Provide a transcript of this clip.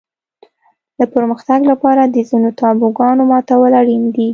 د پرمختګ لپاره د ځینو تابوګانو ماتول اړین دي.